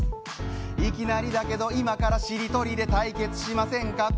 いきなりだけど、今からしりとりで対決しませんか？